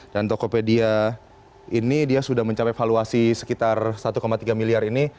dan tokopedia ini dia sudah mencapai valuasi sekitar satu tiga miliar ini